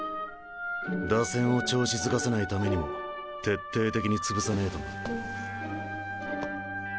打線を調子づかせないためにも徹底的に潰さねえとな。